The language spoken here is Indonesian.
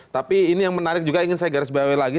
tapi ini yang menarik juga ingin saya garis bawahi lagi